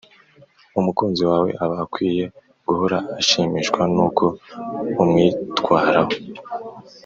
umukunzi wawe aba akwiye guhora ashimishwa n’uko umwitwaraho